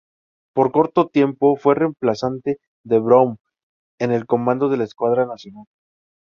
Por corto tiempo fue reemplazante de Brown en el comando de la escuadra nacional.